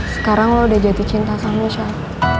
sekarang lo udah jadi cinta sama michelle